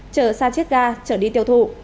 chở san chết ga chở đi tiêu thụ